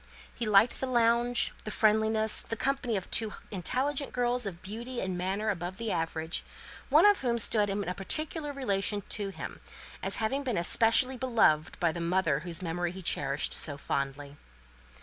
He liked the lounge, the friendliness, the company of two intelligent girls of beauty and manners above the average; one of whom stood in a peculiar relation to him, as having been especially beloved by the mother whose memory he cherished so fondly.